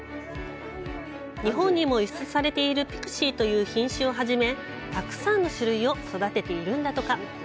日本にも輸出されているピクシーという品種をはじめたくさんの種類を育てているんだとか。